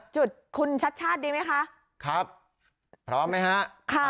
จุดคุณชัดชาติดีไหมคะครับพร้อมไหมฮะค่ะ